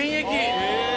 へえ。